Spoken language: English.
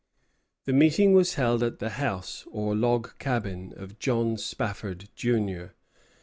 The meeting was held at the house, or log cabin, of John Spafford, Jr.